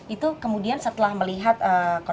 itu kemudian setelah melihat konsultan politik itu apa